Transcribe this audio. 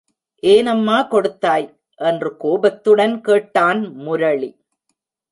ஏனம்மா கொடுத்தாய்? என்று கோபத்துடன் கேட்டான் முரளி.